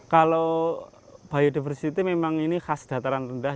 kalau biodiversity memang ini khas dataran rendah